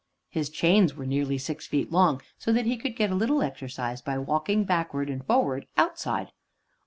His chains were nearly six feet long, so that he could get a little exercise by walking backwards and forwards outside.